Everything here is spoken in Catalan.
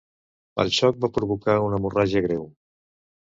El xoc va provocar una hemorràgia greu.